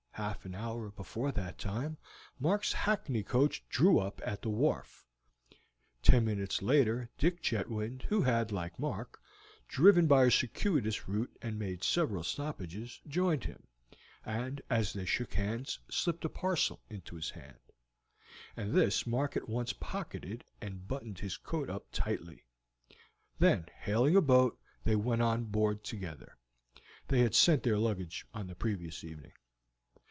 Half an hour before that time Mark's hackney coach drew up at the wharf. Ten minutes later Dick Chetwynd, who had, like Mark, driven by a circuitous route, and had made several stoppages, joined him, and as they shook hands slipped a parcel into his hand, and this Mark at once pocketed, and buttoned his coat up tightly; then hailing a boat, they went on board together; they had sent their luggage on the previous evening.